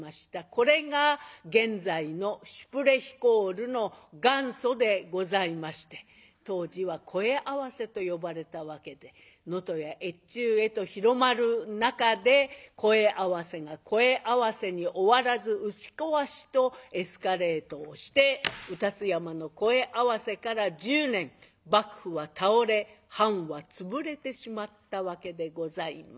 これが現在のシュプレヒコールの元祖でございまして当時は声合わせと呼ばれたわけで能登や越中へと広まる中で声合わせが声合わせに終わらず打ち壊しとエスカレートをして卯辰山の声合わせから１０年幕府は倒れ藩は潰れてしまったわけでございます。